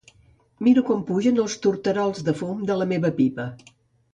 Miro com pugen els torterols de fum de la meva pipa.